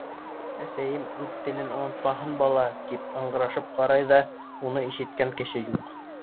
Әсәйем, үҙ телен онотмаһын бала, тип ыңғырашып ҡарай ҙа, уны ишеткән кеше юҡ.